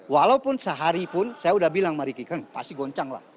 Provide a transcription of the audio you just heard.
walaupun sehari pun saya sudah bilang sama riki kan pasti goncang lah